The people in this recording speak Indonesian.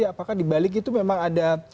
tapi apakah di balik itu memang ada